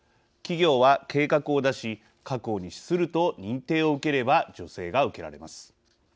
企業は計画を出し確保に資すると認定を受ければ助成が受けられます。